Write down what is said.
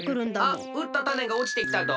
あっうったタネがおちてきたど。